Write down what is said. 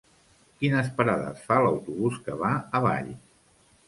Quines parades fa l'autobús que va a Valls?